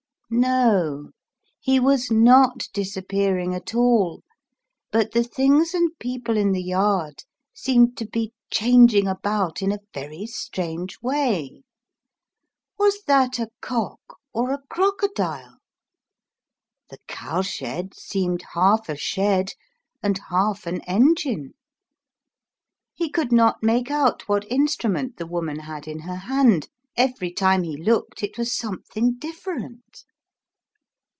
No ; he was not disappearing at all, but the things and people in the yard seemed to be " changing about" in a very strange way. Was that a cock or a crocodile? The cow shed seemed half a shed and half an engine. He could not make out what instru ment the woman had in her hand; every time he looked it was something different.